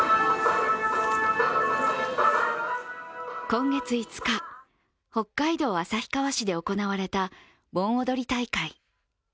今月５日、北海道旭川市で行われた盆踊り大会。